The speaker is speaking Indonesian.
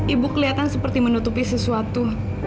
ibu kelihatan seperti menutupi sesuatu